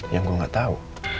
yang gue gak tau